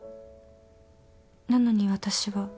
なのに私は。